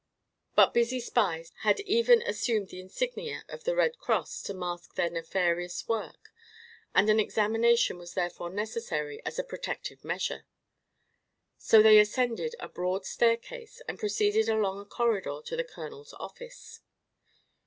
But busy spies had even assumed the insignia of the Red Cross to mask their nefarious work and an examination was therefore necessary as a protective measure. So they ascended a broad staircase and proceeded along a corridor to the colonel's office.